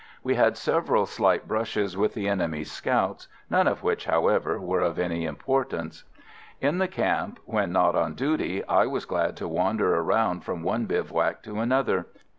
We had several slight brushes with the enemy's scouts, none of which, however, were of any importance. In the camp, when not on duty, I was glad to wander around from one bivouac to another.